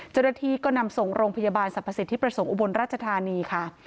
เจ้าหน้าที่ก็นำส่งโรงพยาบาลสรรพสิทธิประสงค์อุบลราชธานีค่ะ